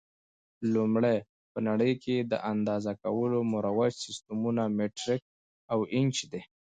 لومړی: په نړۍ کې د اندازه کولو مروج سیسټمونه مټریک او انچ دي.